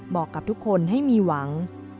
บอกกับทุกคนให้มีหวัง